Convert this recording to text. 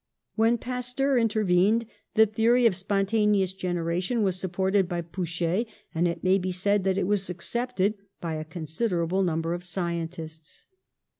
When Pasteur intervened the theory of spon taneous generation was supported by Pouchet, and it may be said that it was accepted by a considerable number of scientists.